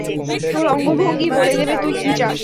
তোর অঙ্গভঙ্গিই বলে দেবে তুই কি চাস।